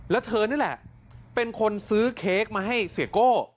แล้วเธอนี่แหละเป็นคนซื้อเค้กมาให้เสียโก้